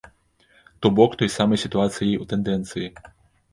То бок той самай сітуацыяй у тэндэнцыі.